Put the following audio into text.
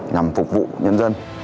nhằm phục vụ nhân dân